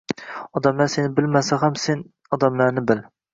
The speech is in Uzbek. Odamlar seni bilmasa ham, sen odamlarni bil.